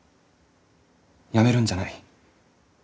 やめるんじゃない。